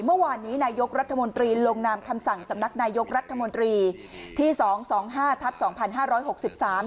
เมื่อวานนี้นายกรัฐมนตรีลงนามคำสั่งสำนักนายกรัฐมนตรีที่สองสองห้าทับสองพันห้าร้อยหกสิบสาม